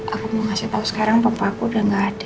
aku mau ngasih tau sekarang papa aku udah gak ada